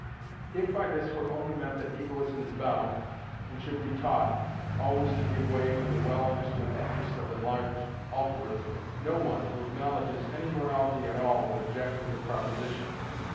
If by this were only meant that egoism is bound, and should be taught, always to give way to the well understood interests of enlarged altruism, no one who acknowledges any morality at all would object to the proposition.